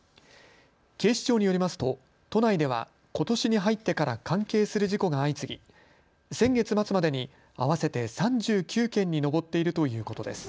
警視庁によりますと都内ではことしに入ってから関係する事故が相次ぎ、先月末までに合わせて３９件に上っているということです。